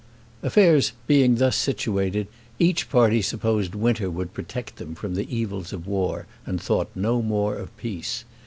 Affairs being thus situated, each party supposed winter would protect them from the evils of war, and thought no more of peace.